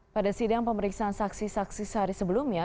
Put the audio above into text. pada sidang pemeriksaan saksi saksi sehari sebelumnya